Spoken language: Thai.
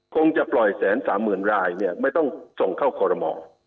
คงจะปล่อยแสนสามหมื่นรายเนี่ยไม่ต้องส่งเข้าคอรมอ